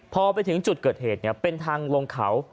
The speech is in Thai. พอไปถึงจุดเกิดเหตุเป็นทางลงเขา